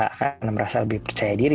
karena merasa lebih percaya diri